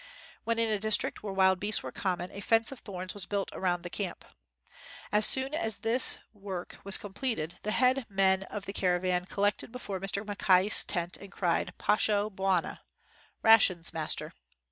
When in a district where wild beasts were common, a fence of thorns was built round the camp. As soon as this work was completed, the head men of the caravan col lected before Mr. Mackay 's tent and cried "Poslio, Bwana" ["Rations, Master."